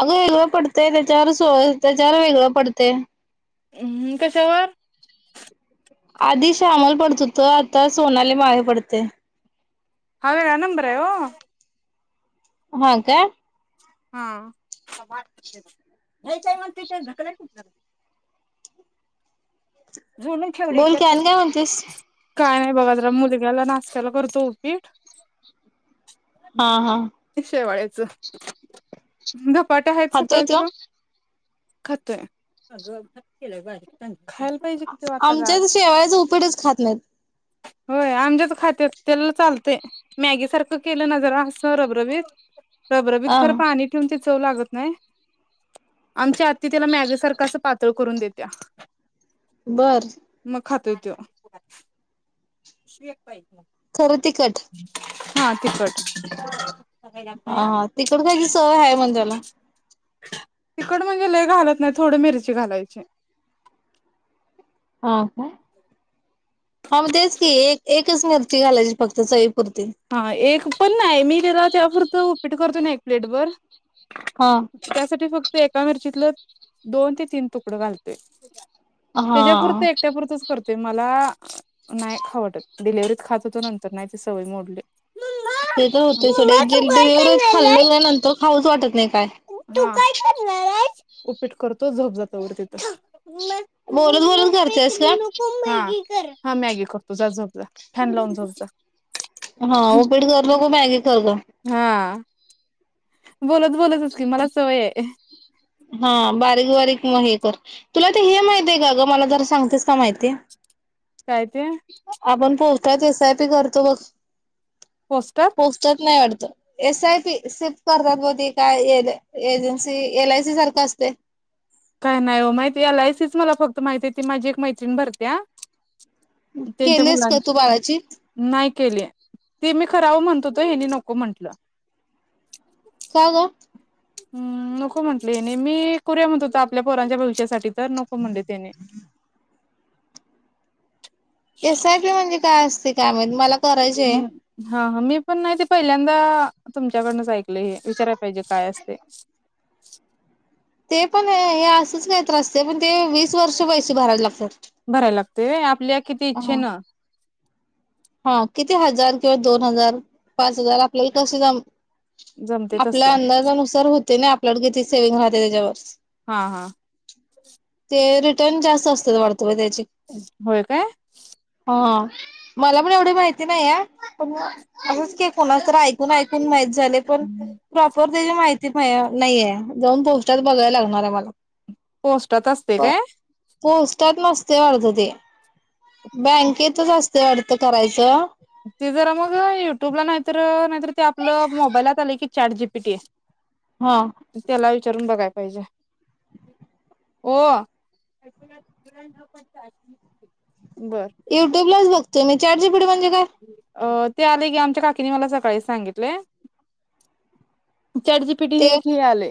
अगं हेगं पडतंय त्याच्यावरच त्याच्यावर वेगळं पडते हम्म कशावर आधी श्यामल पडत होत आता सोनाले माहेे पडते हा वेगळा नंबर हाय ओ हा का हायच मग त का कय जुडून ठेवली बोल की त्यात आणि काय म्हणतेस? काय नाही बघाात मुलग्याला नाशत्याला करतो उपीठ हा हा शवाळेच [unintelligible] पट आहेत खातोय तो सकाळचं खत आहेग केला बारी च आमच्याच शेवाळच उपटच खात नाहीत होय आमच्याच खाते अस त्याला चालत मॅगी सारखं केलं नजर असं रबरबीत रबरबीत हा खरं पाणी ठेवून ते लागत नाही आमच्या आत्तीिला मॅग सारखं असं पा त करून देत्या बर [unintelligible] शक बाई खरं तिखट [inaudible] हा तिकट हा, हा, तिकट खायची सवय हाय, म्हण त्याला. तिकड म्हणजे लय घालत नाही, थोड मिरची घालायची. हा, काय? हा, मग तेच की एक एकच मिरची घालायची फक्त चई हा एक पण नाही, मी तेला तेवापुरतं उपीट करतो ना, एक प्लेट वर हा त्यासाठी फक्त का मिरचीतलं दोन ते तीन तुकड घालतोय. हा त्याच्या पुुरत एकट्यापुरतच करतो. ते मला नाही खाऊ वाटतं, डिलिव्हरीत खात होतो, नंतर नाही ती सवय मोडली. ते तर होतय सोड डिलिव्हरीत खाल्ल आहेस? नाही, नंतर खाऊच वाटत नाही काय. उपीट करतो, झोप जा तवर तिथं.. बोलत बोलत करत्यास काय? हा हा मॅगी करतो, जा झोप जा. फॅन लावून झोप जा. हा, उपीट करू नको मॅगी कर ग. हा. बोलत, बोलतच की मला सवय आहे. हा बारीक बारीक मग हे कर तुला तर हे माहिती आहे का ग? मला जर सांगतेस का माहिती. काय ते? ते एस आय पी करतो बघ- पोस्टर पोचतच नाही वाटत. एस आय पी सिप करतात, बघ ते? काय एजन्सी एल आयसी सारखं असतय. काय नाही हो, माहिती एलायसीच मला फक्त माहिती आहे, ती माझी एक मैत्रिण भरत्या. त्यांच्या केलेस का तू मुलांच्या बाळाची नाही केले, ते मी करावं म्हणतो होतो, हेनी नको म्हंटलं. का ग? हम. नको म्हंटले हेनी, मी करुया म्हणत होता आपल्या पोरांच्या भविष्यासाठी. तर नको म्हणले, तेनी. एस आय पी म्हणजे काय असतय. त्यामध्ये- मला करायचंय. हम्म हा. हा. मी पण नाही, ते पहिल्यांदा तुमच्याकडनच ऐकल हे विचारय पाहिजे काय असतय. ते पण हे असंच काहीतरी असतय, पण ते वीस वर्ष पैसे भरायला लागतात. भराय लागतय होय. आपल्या किती हा इच्छेन- हा किती हजार किंवा दोन हजार पाच हजार आपल्याला कसे जम जमते आपल्या तसं अंदाजानुसार हो. ते नाही आपल्याकडे किती सेवि्हंग राहते त्याच्यावर हा हा. रिटर्न जास्त असतात. तू त्याची होय काय हा. [inaudible] [unintelligible] पण प्रपर मा ते प नाहीये जाऊन पोस्टात बघायला लागणार आहे मला पोस्टात असते काय? पोस्टात मस्त अर्ध ते बँकेत असत. ते अर्थ करायचं. ते जरा मग युट्यूबला नाहीतर नाहीतर ते आपलं मोबाईलत आले की चार जी पी टी आहे. हा त्याला वि वि चरून बघाय पाहिजे हो. युट्यूब लाच बघ. तेम चार्ज कढ म्हणजे काय? अ ते आले गे आमच्या काकीने मला सकाळी सांगितले. चडची पिटी हे ते एक हेळाले.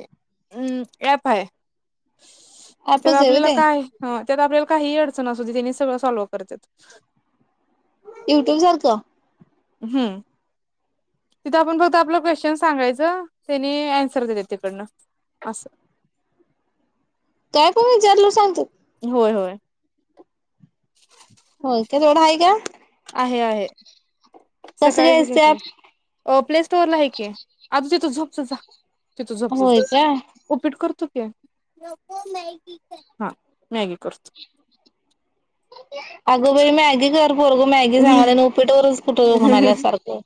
हम्म याफ आहे. तर ऍपच आहे व्हय आपल्याला ते काय ह. त्यात आपल्याला काही अडचण अस त्यांनी सगळं सॉल्व करतात. युट्यूब सारखं. हम् तिथं आपण फक्त आपला क्वेश्चन सांगायचं त्याने अन्सर दिले तिकडनं अस. काय पण विचारलं सांगत. होय होय. होय का जोवढा ह आहे का? आहे आहे. कसं सकाळी घ्यायचं ते घेतले ॲप प्ले सोरला आहे क त झोपच जा. तिथ झपत होय का? उपीट करतो. [unintelligible] करतो आग ब मॅगी कर. बरग मॅगी सांगाला आणि उपीटवरच कुठं म्हणाल्यासारखं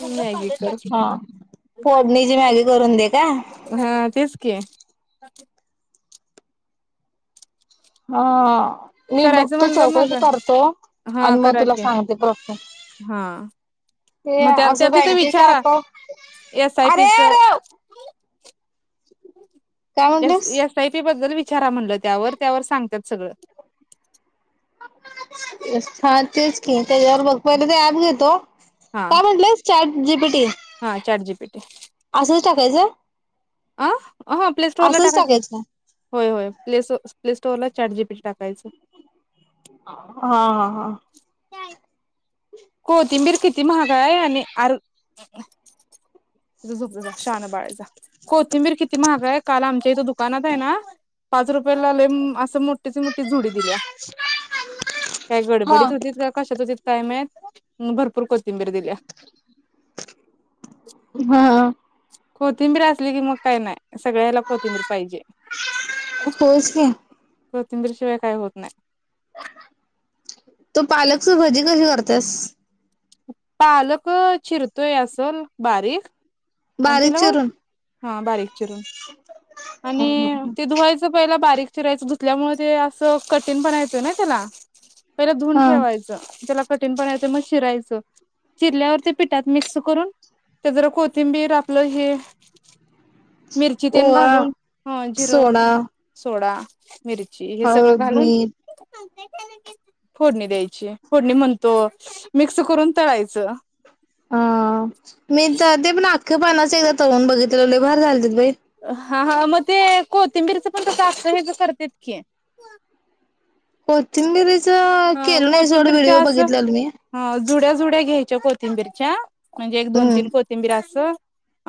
मॅगच फोडणीची मॅगी करून दे का? हा तेच ओके हा मी करायचं बघतो म्हणलं मग चौकशी करतो हा आणि मग करा तुला की सांगते प्रक् हा ते मग त्या त्या अजू तिथे बँकी विचारा साक एस आय पीचं अरेर स यस य पी ब विचारा म्हण त्या त्यावर सांगतात सगळ छानातच की त्याच्यावर मग पहिले ते ॲप घेतो हा काय म्हटलंस चार जीब हा चॅट जीपीटी असंच टाकायचं अं हा प्ले स्टोअरला असंच टाका टाकायचं होय होय पले तोला चारजीपी टाकायच हा हा हा का कोथिंबीर किती महागा आहे आणि अर ति झोपचा शान बाळाचा कोथिंबीर किती महागा आहे काल आमच्या इथं दुकानात आहे ना पाच रुपयाे लाले असं मोठीच मोठी झुडी दिल्या काय हा गडबडीत होती का कशात होती कायम आहेत भरपूर को हा कोथिंबीर असली की मग काही नाही सगळ्याला कोथिंबीर पाहिजे होयच की. तिंदरशिवाय काय होत नाही तू पालकची भजी कशी करतेस पालक चिरतोय अस बारीक बारीक चिरून हां बारीक आणि ते धुवायच पहिलं बारीक चिरायच धुतल्यामुळे ते असं कठिणपणा येतोय ना त्याला पहिला धुून हा ठेवायचं त्याला कठीण पणा येतोय मग ते चीरायचं चीरल्यावर ते पिटात मिक्स करून ते जरा कोथी बिर आपल हे मिरची तेन ओवा घालून ह जिरं सोडा, सोडा [inaudible] मिरची हे सगळं हळद, घालून मीठ फोडणी द्यायची फोडणी म्हणतो मिक्स करून तळायचं ह मी तर ते पण आख्खे पाणाच एकदा तळून बघितलेलो लय भारी झालंतीत बाई हा हा मग ते कोथिंबीरीचं पण तसल हेच करत्यात की कोथींबीरीच च अ केलो नाही सोड कोथिंबीरच्या व्हिडिओ असं बघीतल्यालो मी अ जुड्या जुड्या घ्यायच्या कोथिंबीरच्या म्हणजे एक दोन हम्म. तीन कोथिंबीर असं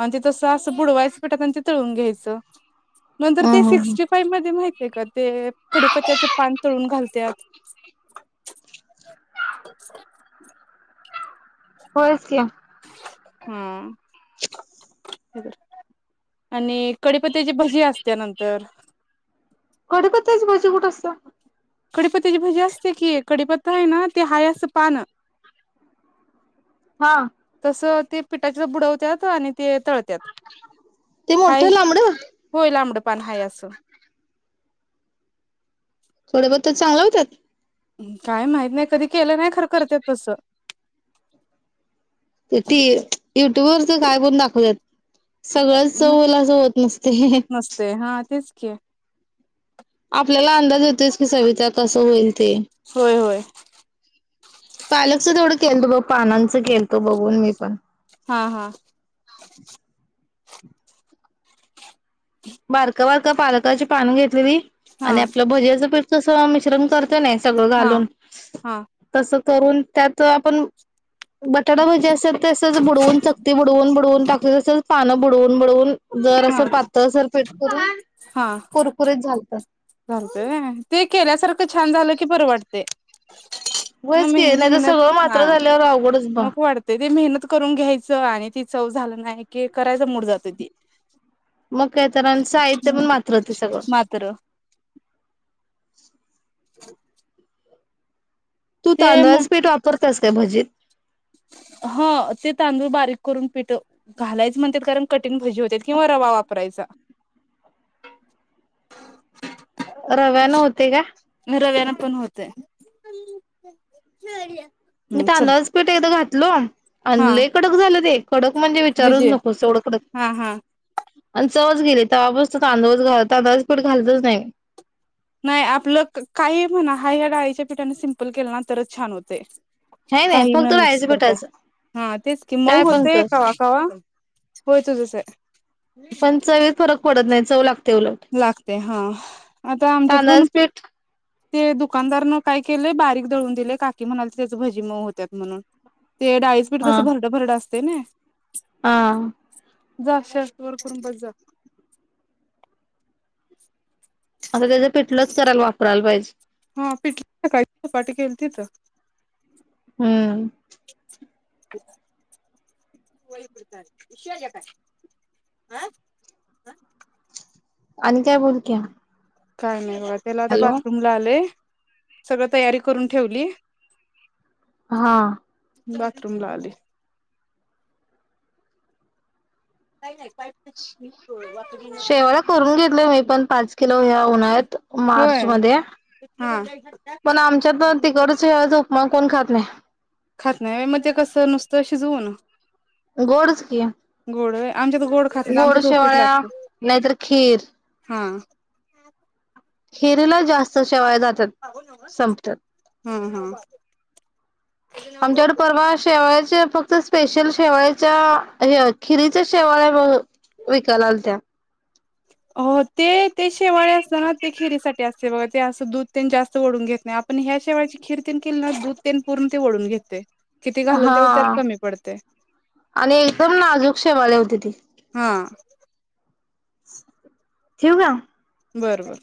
आणि ते तसं असं बुडवायचं पिटात आणि ते तळून घ्यायचं नंतर ह ते ह ह सिक्स्टी फाईव्ह मध्ये माहितय का ते कडीपत्त्याच पान तळून घालतात [inaudible] होय च की हम्म आणि कडीपत्याची भजी असत्या नंतर कडीपत्याच्यी भजी कुठ असत्या कडपत्त्याची भजी असते की कडीपत्ता आहे ना ते हाय असं पान हा तस ते पिठाच्यात बुडवत्यात आणि ते तळत्यात ते हाय मोठं लांबड होय लांबड पान हाय असं ते चांगलं हुत्यात काय माहित नाही कधी केलं नाही खर करत्यात तस ते ती युट्यूब वरच काय पण दाखवतात सगळं चवला असं होत नसते के आपल्याला अंदाज येतोयच की सविता कस होईल ते होय होय पालकचं तेवडं केलतो बघ पानांचं केलतो बघून मी पण हा हा बारक बारक का पालकाची पान घेतलेली हा आणि आपलं भज्याचं पिठ तस मिश्रण कर सगळं हा घालून हा तस करून त्यात आपण बटाटा भजी असतात तसंच बुडवून चकती बुडवून बुडवून टाकत असत्यात पान बुडवून बुडवून जर असं हा पातळसर कुरूम कुरकुरीत झालं ह चालतय- ते केल्यासारखं छान झाल की बरं वाटते [unintelligible] होयच की नाही तर मेहनत सगळं मात्र [unintelligible] झाल्यावर अवघडच बघ वाढतेय ते मेहनत करून घ्यायचं [unintelligible] [unintelligible] की त्यो करायच मूड जातो ते मग काय तर साहित्य पण [unintelligible] सगळं [unintelligible] मात्र तू ते म तांदळाच पीठ वापरतेस काय भजीत -ह -ते तांदूळ बारीक करून पीठ घालायच - [unintelligible] किंवा रवा वापरायचा रवा [unintelligible] का रव्यान पण होत मी तांदळाच पीठ [unintelligible] घात लोन आं हा लई कडक झालं ते कडक म्हणजे विचारूच भजी नकोस एवढं कडक हा हा आणि चवच गेली ते्हा बसत तांदूळच घाल तांदळच पट घालतच नाही नाही आपलं -काहीही म्हणा हरबभरा डाळीच्या पिठाने सिम्पल केलं ना तरच छान होते हाय नाही काही न फक्त मिक्स राहायचं करता पिठाचं -हा तेच कि मऊ काय पण होतेय कर कवा कवा पण चवीत फरक पडत नाही चव लागते [unintelligible] उलट लागते हा- आता आमच्यात पण पीठ ते दुकानदारनं काय केलंय बारीक दळून दिलेय काकी म्हणाले त्याच भजी मऊ होत्यात म्हणून ते डाळीच पीठ हा कसं भरड भरडं ते ना हा जा शर्त वर कुरुंबस जा आता त्याचं पेटलंच करायला वापरायला पाहिजे हा पिठळ काळीपाट केली तिथ हम्म होय क विश् का आ आणि काय बोल क्या का नाही वा त्याला आता बाथरूम ला आले सगळं तयारी करून ठेवली हा बाथरूम ला आले काही नाही का शेवला करून घेत मी पण पाच लोह्या उन्हाळ्यात मार्च होय मध्ये हा पण आमच्यात तिकड च्या उपमान कोण खात नाही खात नाही व्हय, मग ते कसं नुसतं शिजवून. गोडच की. गोड व्हय. आमच्यात गोड खात नाही, आमच्यात उपीट शेवाळ्या लागतय नाहीतर खीर हा. हम् [unintelligible] खीर. खिरीला जास्त शेवाया जातात संपतात. हम्, हम. आमच्याकडे परवा शेवया. च्या फक्त स्पेशल शेवाच्या खिरीच्या शेवळ्या मग विकायला आलत्या. हो ते ते शेवाळे असत ना, ते खिरीसाठी असते बघ ते असं दूध तेन जास्त ओढून घेत नाही, आपण ह्या शेवाळची खिर तेन केली ना दूध तेन पूर्ण ते ओढून घेतय. हा आणि एकदम नाजूक शेवाळी होती, ती. हा ठेऊ का. बर, बर.